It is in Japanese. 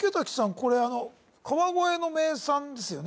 これあの川越の名産ですよね？